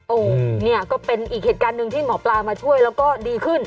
โอ้โหเนี่ยก็เป็นอีกเหตุการณ์หนึ่งที่หมอปลามาช่วยแล้วก็ดีขึ้น